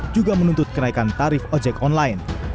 juga menuntut kenaikan tarif ojek online